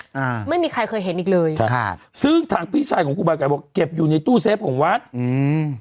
อ่าไม่มีใครเคยเห็นอีกเลยค่ะซึ่งทางพี่ชายของครูบาไก่บอกเก็บอยู่ในตู้เซฟของวัดอืม